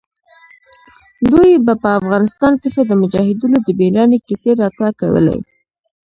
دوى به په افغانستان کښې د مجاهدينو د مېړانې کيسې راته کولې.